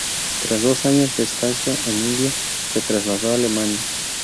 Tras dos años de estancia en India, se trasladó a Alemania.